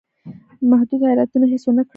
متحدو ایالتونو هېڅ ونه کړل.